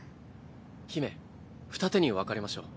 姫ふた手に分かれましょう。